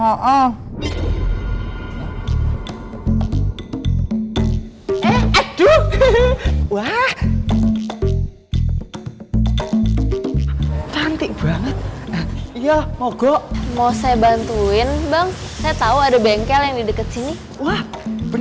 cantik banget iya mogok mau saya bantuin bang saya tahu ada bengkel yang di deket sini wah bener ada bengkel ini ada bengkel di deket sini wah bener ada bengkel yang di deket sini wah bener ada bengkel ini